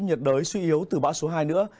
nhiệt đới suy yếu từ bão số hai nữa